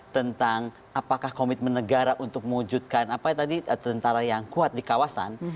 tentang apakah komitmen negara untuk mewujudkan apa tadi tentara yang kuat di kawasan